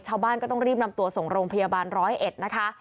ชาวบ้านก็ต้องรีบนำตัวส่งโรงพยาบาลร้อยเอ็ดนะคะ